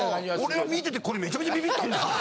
俺は見ててこれめちゃめちゃビビったんですよ。